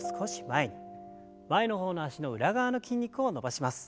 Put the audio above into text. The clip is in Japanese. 前の方の脚の裏側の筋肉を伸ばします。